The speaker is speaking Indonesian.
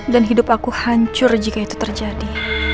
dan hidup aku hancur jika itu terjadi